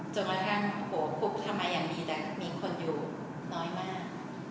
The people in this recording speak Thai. จนกระทั่งโหทำไมอย่างนี้แต่มีคนอยู่น้อยมาก